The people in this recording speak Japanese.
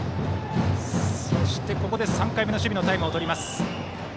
そして、ここで３回目の守備のタイムです。